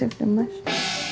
kamu udah mulai posesif mas